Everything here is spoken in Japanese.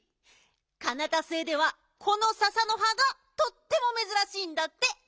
カナタ星ではこのササのはがとってもめずらしいんだって。